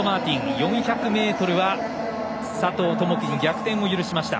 ４００メートルは佐藤友祈に逆転を許しました。